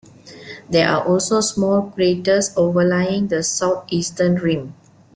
There are also small craters overlying the southeastern rim.